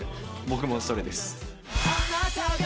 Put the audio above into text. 僕もそれです。